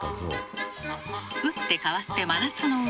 打って変わって真夏の海。